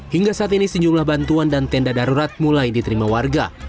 hingga saat ini sejumlah bantuan dan tenda darurat mulai diterima warga